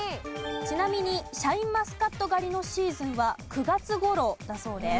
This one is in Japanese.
ちなみにシャインマスカット狩りのシーズンは９月頃だそうです。